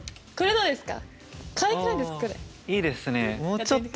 どうですか？